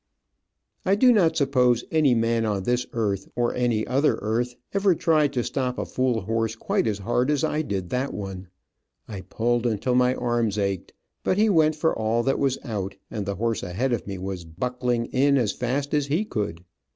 ] I do not suppose any man on this earth, or any other earth, ever tried to stop a fool horse quite as hard as I did that one. I pulled until my arms ached, but he went for all that was out, and the horse ahead of me was buckling in as fast as he could.